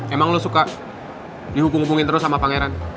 emang lo suka dihukum hukumin terus sama pangeran